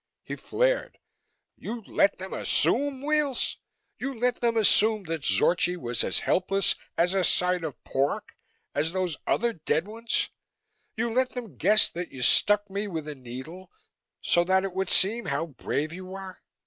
He flared, "You let them assume, Weels? You let them assume that Zorchi was as helpless a side of pork as those other dead ones you let them guess that you stuck me with a needle, so that it would seem how brave you were?